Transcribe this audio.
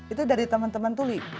itu dari teman teman tuli